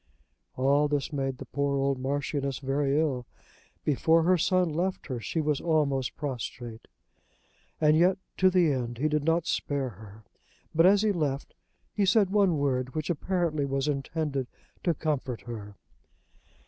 All this made the poor old Marchioness very ill. Before her son left her she was almost prostrate; and yet, to the end, he did not spare her. But as he left he said one word which apparently was intended to comfort her.